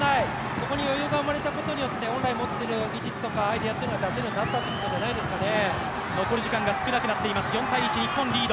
そこに余裕が生まれたことによって本来持っている技術やアイデアというのが出せるようになったんじゃないですかね。